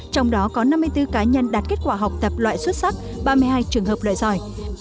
trong đó có năm mươi bốn cá nhân đạt kết quả học tập loại xuất sắc ba mươi hai trường hợp lợi giỏi